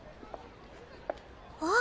あっ！